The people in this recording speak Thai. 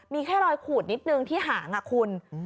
มีแค่รอยขูดนิดนึงที่หางคุณ